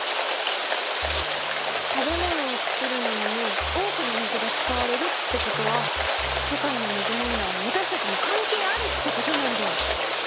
食べ物を作るのにも多くの水が使われるってことは世界の水問題にわたしたちも関係あるってことなんだよ。